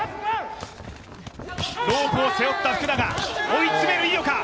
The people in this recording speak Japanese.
ロープを背負った福永、追い詰める井岡。